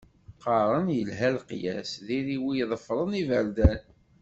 Qqaren yelha leqyas, diri wi i tefṛen iberdan.